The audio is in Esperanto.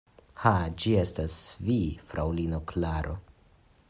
Ha, ĝi estas vi, fraŭlino Klaro!